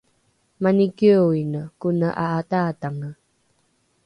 mani kioine kone a’ata’atange